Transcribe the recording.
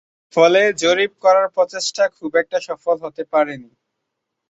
ফলে জরিপ করার প্রচেষ্টা খুব একটা সফল হতে পারেনি।